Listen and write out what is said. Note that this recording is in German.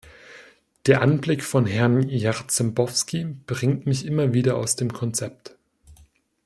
Der Anblick von Herrn Jarzembowski bringt mich immer wieder aus dem Konzept.